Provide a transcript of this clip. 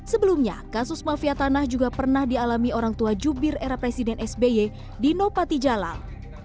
sebelumnya kasus mafia tanah juga pernah dialami orang tua zubir era presiden sby di nopati jalan